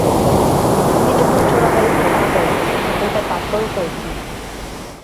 হাতি যখন চোরাবালিতে পা দেয় তখন তার বাঁচবার উপায় কী?